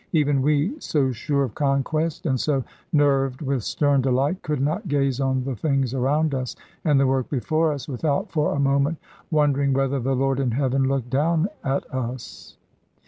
Even we, so sure of conquest, and so nerved with stern delight, could not gaze on the things around us, and the work before us, without for a moment wondering whether the Lord in heaven looked down at us.